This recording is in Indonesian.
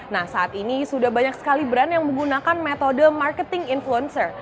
nah saat ini sudah banyak sekali brand yang menggunakan metode marketing influencer